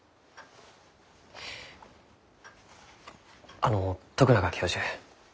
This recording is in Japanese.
あの徳永教授